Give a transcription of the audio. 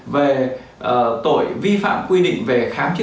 về tội vi phạm quy định về khám chứng